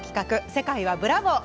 「世界はブラボー！」